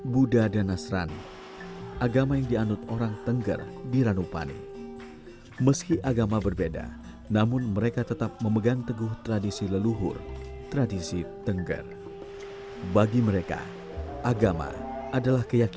penjagaan ini lebih jauh dari jumlah penduduk dan denpa r dan r